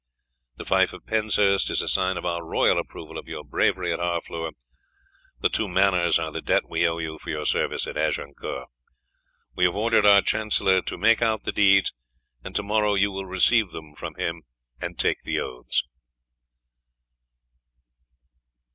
The fief of Penshurst is a sign of our royal approval of your bravery at Harfleur, the two manors are the debt we owe you for your service at Agincourt. We have ordered our chancellor to make out the deeds, and tomorrow you will receive them from him and take the oaths."